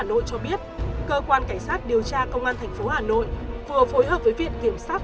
hà nội cho biết cơ quan cảnh sát điều tra công an thành phố hà nội vừa phối hợp với viện kiểm sát